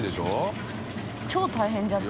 超大変じゃない。